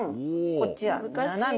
こっちは斜め。